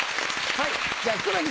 はい。